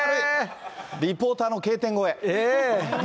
リポーターのＫ点越え。